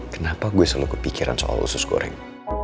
kenapa gue selalu kepikiran soal usus goreng